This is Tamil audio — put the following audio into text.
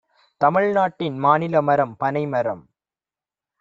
தமிழ்நாட்டின் மாநில மரம் பனைமரம்